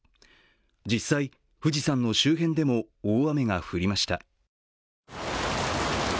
実際、富士山の周辺でも大雨が降りました。